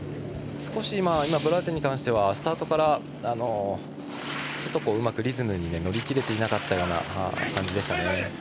ブラーテンに関してはスタートからちょっとうまくリズムに乗り切れていなかったような感じでしたね。